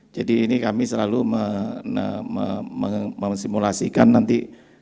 jadi ini kami selalu memasimulasikan nanti